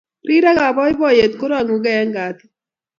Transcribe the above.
Rirekab boiboiyet korongungei eng katit